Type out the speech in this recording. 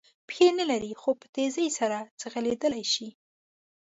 پښې نه لري خو په تېزۍ سره ځغلېدلای شي.